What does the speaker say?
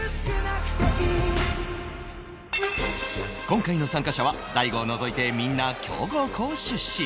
今回の参加者は大悟を除いてみんな強豪校出身